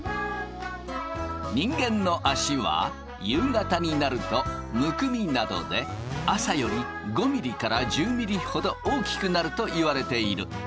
人間の足は夕方になるとむくみなどで朝より５ｍｍから１０ｍｍほど大きくなるといわれている。